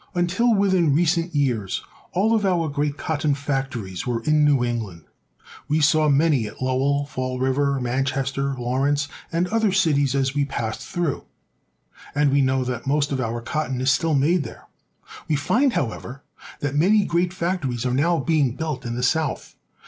Until within recent years all of our great cotton factories were in New England. We saw many at Lowell, Fall River, Manchester, Lawrence, and other cities as we passed through, and we know that the most of our cotton is still made there. We find, how ever, that many great factories are now being built in the South.